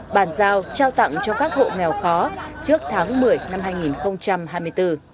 bàn giao trao tặng cho các hộ nghèo khó trước tháng một mươi năm hai nghìn hai mươi bốn